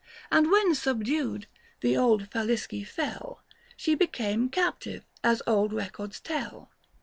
900 And when subdued, the old Falisci fell, She became captive, as old records tell.